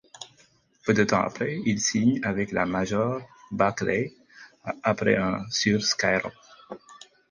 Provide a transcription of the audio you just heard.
Peu de temps après, ils signent avec la major Barclay, après un sur Skyrock.